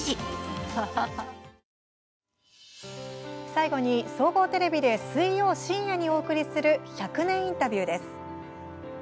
最後に、総合テレビで水曜深夜にお送りする「１００年インタビュー」です。